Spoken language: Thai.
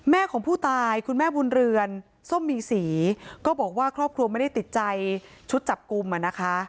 ของผู้ตายคุณแม่บุญเรือนส้มมีศรีก็บอกว่าครอบครัวไม่ได้ติดใจชุดจับกลุ่มอ่ะนะคะ